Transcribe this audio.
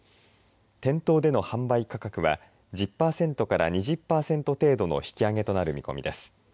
店頭での販売価格は１０パーセントから２０パーセント程度の引き上げとなる見込みです。